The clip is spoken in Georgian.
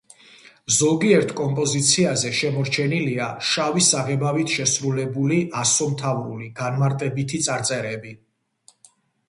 ზოგიერთ კომპოზიციაზე შემორჩენილია შავი საღებავით შესრულებული ასომთავრული განმარტებითი წარწერები.